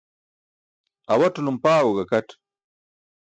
Awatulum paaẏo gakat.